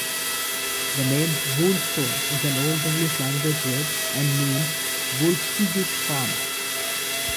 The name 'Woolstone' is an Old English language word, and means 'Wulfsige's farm'.